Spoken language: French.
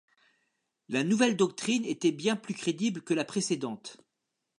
La nouvelle doctrine était bien plus crédible que la précédente.